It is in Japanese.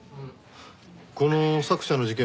この作者の事件